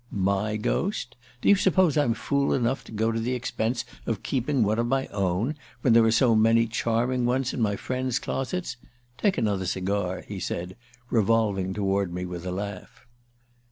"My ghost? Do you suppose I'm fool enough to go to the expense of keeping one of my own, when there are so many charming ones in my friends' closets? Take another cigar," he said, revolving toward me with a laugh.